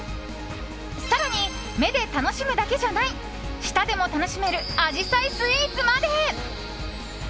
更に、目で楽しむだけじゃない舌でも楽しめるアジサイスイーツまで。